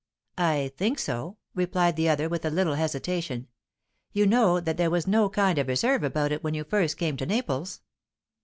"I think so," replied the other, with a little hesitation. "You know that there was no kind of reserve about it when you first came to Naples."